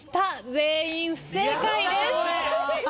全員不正解です。